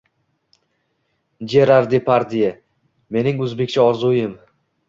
Jerar Depardye:Mening oʻzbekcha orzuim!